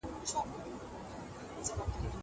زه تکړښت کړی دی!!